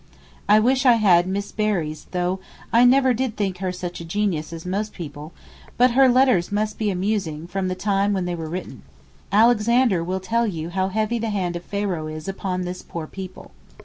I wish I had Miss Berry's though I never did think her such a genius as most people, but her letters must be amusing from the time when they were written. Alexander will tell you how heavy the hand of Pharaoh is upon this poor people.